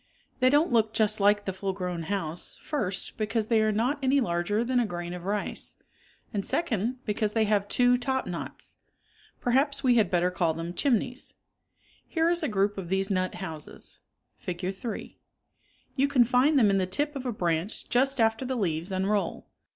They don't look just like the full grown house, first, because they are not any larger than a grain f 'c^l'^'"' 73 of rice, and second, because they have two topknots. Perhaps we had better call them chimneys. Here is a group of these nut houses (Fig. 3). You can find them in the tip of a branch just after the leaves unroll.